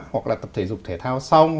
hoặc là tập thể dục thể thao xong